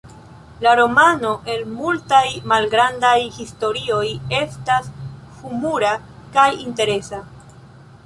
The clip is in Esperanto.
La romano el multaj malgrandaj historioj estas humura kaj interesa.